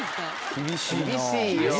厳しいよ。